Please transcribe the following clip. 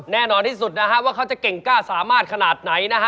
แน่นอนที่สุดนะฮะว่าเขาจะเก่งกล้าสามารถขนาดไหนนะฮะ